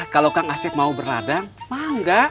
kalau kang asep mau berladang